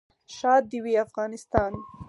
ښاد دې وي افغانستان.